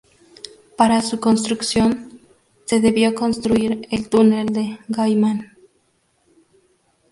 Para su construcción, se debió construir el túnel de Gaiman.